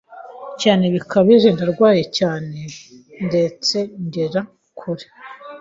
cyane bikabije ndarwara cyane ndetse ngera kure